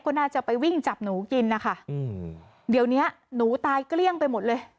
ก็น่าจะไปวิ่งจับหนูกินนะคะอืมเดี๋ยวเนี้ยหนูตายเกลี้ยงไปหมดเลย